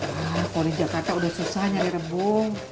wah kalau di jakarta udah susah nyari rebung